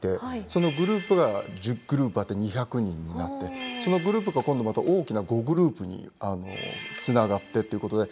そのグループが１０グループあって２００人になってそのグループが今度また大きな５グループにつながってってことで。